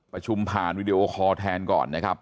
ประชุมผ่านวีดีโอคอลแทนก่อนนะครับ